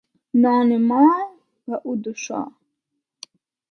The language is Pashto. نان ما به او دو شا.